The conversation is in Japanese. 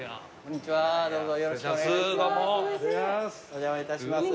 お邪魔いたします。